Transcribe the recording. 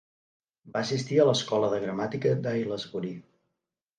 Va assistir a l'Escola de Gramàtica d'Aylesbury.